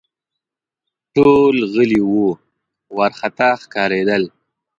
ټول غلي وه ، وارخطا ښکارېدل